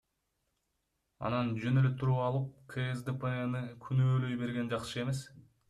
Анан жөн эле туруп алып КСДПны күнөөлөй берген жакшы эмес.